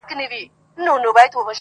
نظامونه هم په دغه رنګ چلیږي -